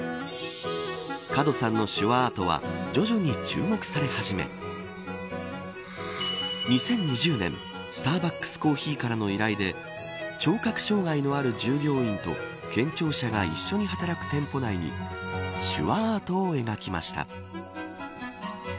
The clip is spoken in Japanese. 門さんの手話アートは徐々に注目され始め２０２０年スターバックスコーヒーからの依頼で聴覚障害のある従業員と健聴者が一緒に働く店舗内に手話アートを描きました。